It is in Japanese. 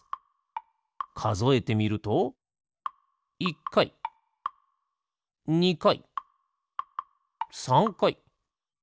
かぞえてみると１かい２かい３かい４